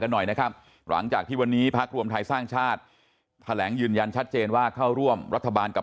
หน่อยนะครับหลังจากที่วันนี้พักรวมไทยสร้างชาติแถลงยืนยันชัดเจนว่าเข้าร่วมรัฐบาลกับ